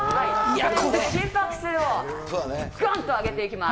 心拍数をがんと上げていきます。